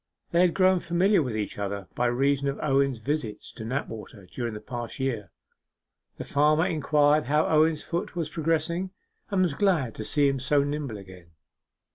They had grown familiar with each other by reason of Owen's visits to Knapwater during the past year. The farmer inquired how Owen's foot was progressing, and was glad to see him so nimble again.